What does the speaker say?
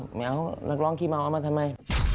เหมียวนักรองที่มอเอามาทำไม